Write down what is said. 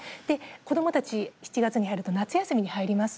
子どもたち７月に入ると夏休みに入ります。